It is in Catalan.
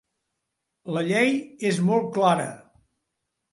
La llei és molt clara.